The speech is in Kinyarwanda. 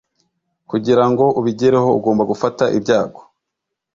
kugirango ubigereho, ugomba gufata ibyago